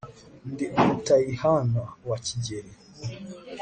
ndi umutayihana wa kigeli